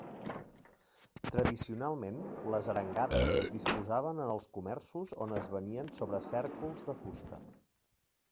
Tradicionalment les arengades es disposaven en els comerços on es venien sobre cèrcols de fusta.